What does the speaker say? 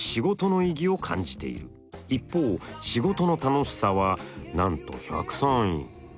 一方仕事の楽しさはなんと１０３位。